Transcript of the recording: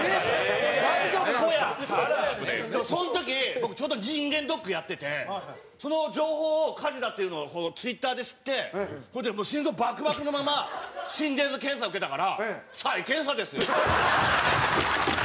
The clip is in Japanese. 長谷川：その時、僕、ちょうど人間ドックやっててその情報を、火事だっていうのをツイッターで知ってそれで、心臓バクバクのまま心電図検査受けたから。